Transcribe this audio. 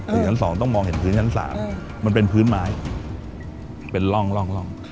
ชั้นสองต้องมองเห็นพื้นชั้นสามมันเป็นพื้นไม้เป็นร่องร่องร่อง